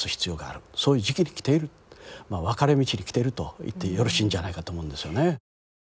そういう時期に来ている分かれ道に来てると言ってよろしいんじゃないかと思うんですよね。